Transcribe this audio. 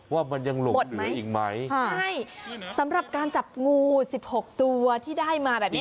ว่ามันยังหลงเหลืออีกไหมใช่สำหรับการจับงูสิบหกตัวที่ได้มาแบบนี้